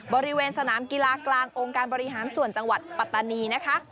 บริเวณสนามกีฬากลางองค์การบริหารส่วนจังหวัดปัตตานีนะคะ